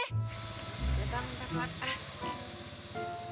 ya bang entar entar